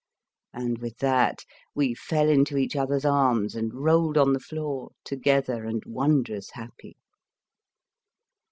" and with that we fell into each other's arms and rolled on the floor, together and wondrous happy.